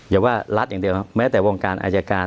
อย่าว่ารัฐอย่างเดียวแม้แต่วงการอายการ